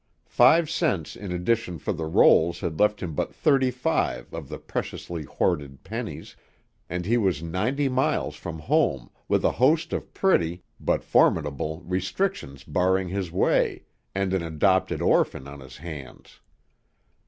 Five cents in addition for the rolls had left but thirty five of the preciously hoarded pennies, and he was ninety miles from home, with a host of petty, but formidable, restrictions barring his way, and an adopted orphan on his hands.